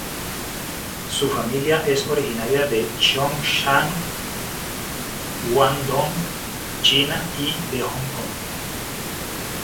Su familia es originaria de Zhongshan, Guangdong, China y de Hong Kong.